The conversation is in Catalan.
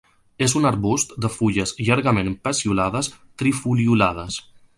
És un arbust de fulles llargament peciolades trifoliolades.